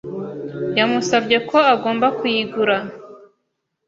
Yamusabye ko agomba kuyigura.